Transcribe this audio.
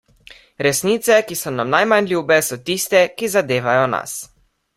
Resnice, ki so nam najmanj ljube, so tiste, ki zadevajo nas.